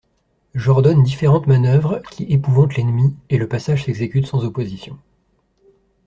J'ordonne différentes manoeuvres, qui épouvantent l'ennemi, et le passage s'exécute sans opposition.